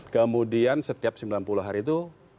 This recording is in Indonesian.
kemudian setiap sembilan puluh hari itu